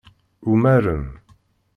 Umaren.